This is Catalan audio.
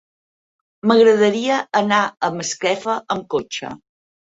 M'agradaria anar a Masquefa amb cotxe.